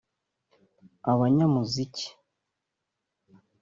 abanyamuziki…